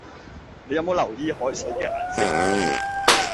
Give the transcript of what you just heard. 你有冇留意海水嘅顏色